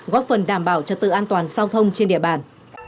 góp phần đảm bảo trật tự an toàn giao thông trên địa bàn